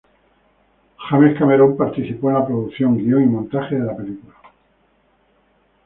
James Cameron participó en la producción, guion y montaje de la película.